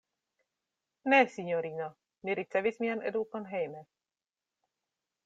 Ne, sinjorino; mi ricevis mian edukon hejme.